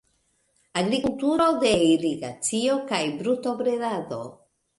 Agrikulturo de irigacio kaj brutobredado.